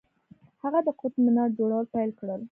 هغه د قطب منار جوړول پیل کړل.